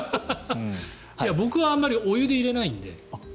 僕はあまりお湯で入れないので。